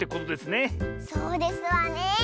そうですわね！